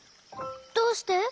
どうして？